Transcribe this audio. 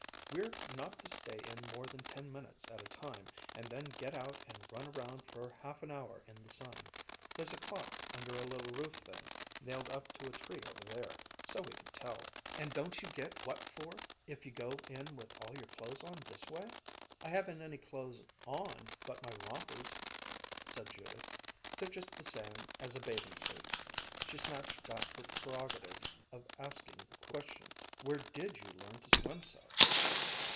We're not to stay in more than ten minutes at a time, and then get out and run around for half an hour in the sun. There's a clock under a little roof thing, nailed up to a tree over there, so's we can tell." "And don't you get what for, if you go in with all your clothes on this way?" "I haven't any clothes on but my rompers," said Judith. "They're just the same as a bathing suit." She snatched back her prerogative of asking questions. "Where did you learn to swim so?"